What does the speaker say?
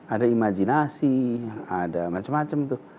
ada imajinasi ada macam macam tuh